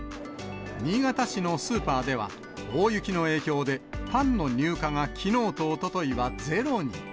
新潟市のスーパーでは、大雪の影響で、パンの入荷がきのうとおとといはゼロに。